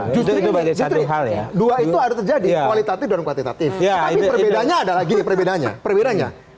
justru dua itu harus terjadi kualitatif dan kuantitatif tapi perbedaannya adalah gini perbedaannya